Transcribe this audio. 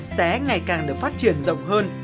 sẽ ngày càng được phát triển rộng hơn